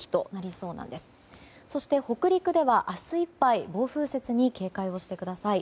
そして北陸では、明日いっぱい暴風雪に警戒をしてください。